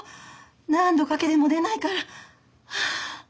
何度かけても出ないから。